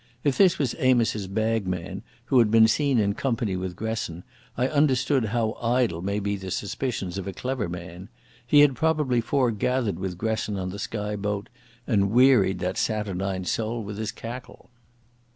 If this was Amos's bagman, who had been seen in company with Gresson, I understood how idle may be the suspicions of a clever man. He had probably foregathered with Gresson on the Skye boat, and wearied that saturnine soul with his cackle.